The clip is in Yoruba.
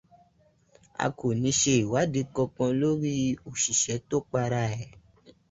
A kò ní ṣe ìwádìí kankan lórí òṣìṣẹ́ tó para ẹ̀.